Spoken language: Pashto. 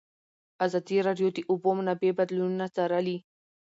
ازادي راډیو د د اوبو منابع بدلونونه څارلي.